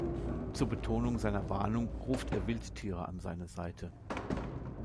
Zur Betonung seiner Warnung ruft er Wildtiere an seine Seite.